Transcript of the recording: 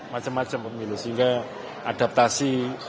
macam macam pemilu sehingga adaptasi